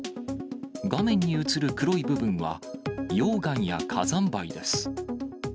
画面に映る黒い部分は溶岩や火山灰です。